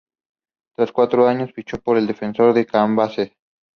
Tras cuatro años, fichó por el Defensores de Cambaceres.